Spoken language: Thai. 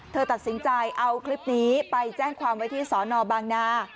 เธอตัดสินใจเอาคลิปนี้ไปแจ้งความไว้ที่สอนอบางนา